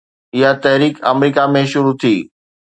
اها تحريڪ آمريڪا ۾ شروع ٿي